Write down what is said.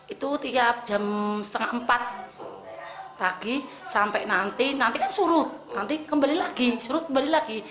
itu tiap jam setengah empat pagi sampai nanti nanti kan surut nanti kembali lagi surut kembali lagi